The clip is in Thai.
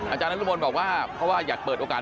อาจารย์นรุมลบอกว่าเพราะว่าอยากเปิดโอกาส